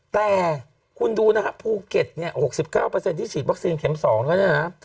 แต่คุณดูนะฮะภูเก็ต๖๙เปอร์เซ็นต์ที่ฉีดวัคซีนเข็ม๒แล้วนะฮะ